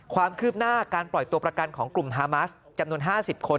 ความคืบหน้าการปล่อยตัวประกันของกลุ่มฮามัสจำนวน๕๐คน